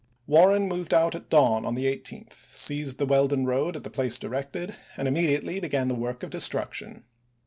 Warren moved out at dawn on the 18th, seized the Weldon road at the place directed, and immedi ately began the work of destruction.